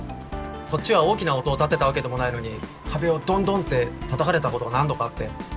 こっちは大きな音を立てたわけでもないのに壁をドンドンって叩かれたことが何度かあって。